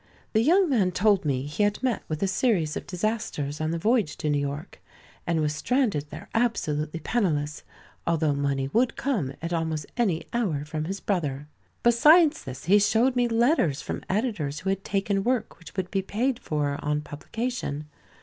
The young man told me he had met with a series of disasters on the voyage to New York, and was stranded there absolutely penniless, although money would come at almost any hour from his brother. Besides this, he showed me letters from editors who had taken work which would be paid for on publication.